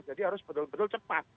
jadi harus betul betul cepat